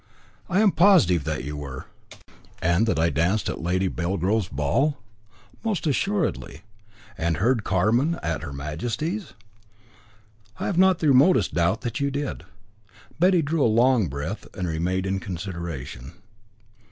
"I am positive that you were." "And that I danced at Lady Belgrove's ball?" "Most assuredly." "And heard Carmen at Her Majesty's?" "I have not the remotest doubt that you did." Betty drew a long breath, and remained in consideration.